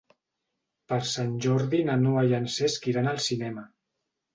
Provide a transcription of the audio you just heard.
Per Sant Jordi na Noa i en Cesc iran al cinema.